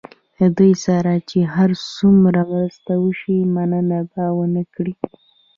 له دوی سره چې هر څومره مرسته وشي مننه به ونه کړي.